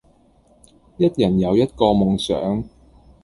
一人有一個夢想